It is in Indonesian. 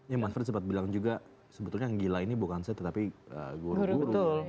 ya mas fred sempat bilang juga sebetulnya yang gila ini bukan saya tetapi guru guru